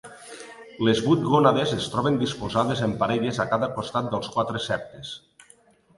Les vuit gònades es troben disposades en parelles a cada costat dels quatre septes.